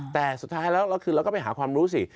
แต่สุดท้ายแล้วคือเราก็ไปหาความรู้สิ